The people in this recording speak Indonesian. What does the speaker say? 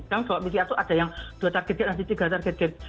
kan kalau pcr itu ada yang dua target gene nanti tiga target gene